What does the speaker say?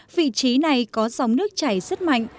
vị trí này có sóng nước chảy rất mạnh